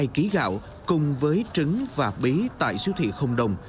hai ký gạo cùng với trứng và bí tại siêu thị không đồng